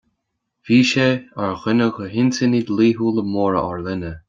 Bhí sé ar dhuine de hintinní dlíthúla móra ár linne